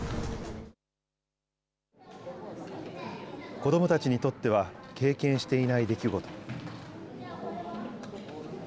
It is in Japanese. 子どもたちにとっては、経験していない出来事。